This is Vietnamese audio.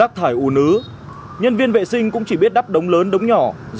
rác thải ủ nứ nhân viên vệ sinh cũng chỉ biết đắp đống lớn đống nhỏ dọc đường hoặc thành từ hàng dài